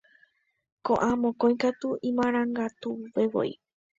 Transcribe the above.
Ko'ã mokõi katu imarangatuvevoi.